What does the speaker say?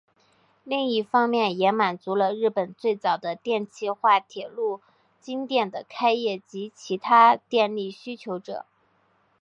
另一方面也满足了日本最早的电气化铁路京电的开业及其他电力需求者。